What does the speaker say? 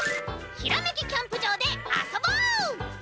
「ひらめきキャンプ場であそぼう！」